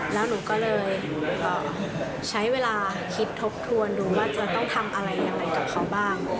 แล้วหนูก็เลยใช้เวลาคิดทบทวนดูว่าจะต้องทำอะไรยังไงกับเขาบ้าง